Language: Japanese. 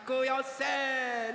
せの！